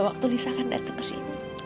waktu lisa akan datang ke sini